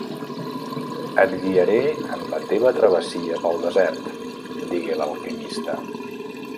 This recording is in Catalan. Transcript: "Et guiaré en la teva travessia pel desert", digué l'alquimista.